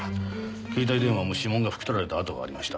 携帯電話も指紋が拭き取られた跡がありました。